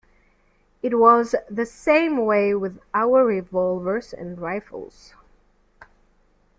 It was the same way with our revolvers and rifles.